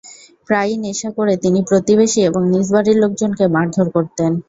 প্রায়ই নেশা করে তিনি প্রতিবেশী এবং নিজ বাড়ির লোকজনকে মারধর করতেন।